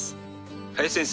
林先生